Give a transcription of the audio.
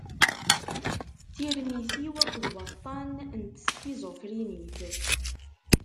Tirmit-iw akked waṭṭan n teskiẓufrinit.